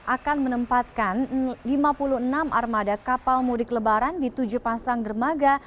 akan menempatkan lima puluh enam armada kapal mudik lebaran di tujuh pasang dermaga